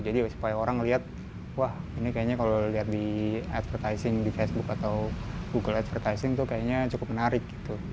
jadi supaya orang lihat wah ini kayaknya kalau lihat di advertising di facebook atau google advertising tuh kayaknya cukup menarik gitu